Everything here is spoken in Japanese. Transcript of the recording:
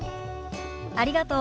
ありがとう。